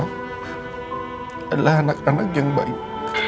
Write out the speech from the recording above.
adalah anak anak yang baik